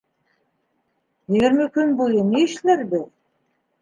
Егерме көн буйы ни эшләрбеҙ?